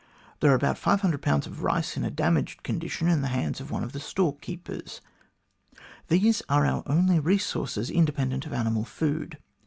There are about 500 Ibs. of rice in a damaged condition in the hands of one of the storekeepers. These are our only resources independent of animal food.